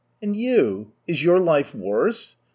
"And you, is your life worse?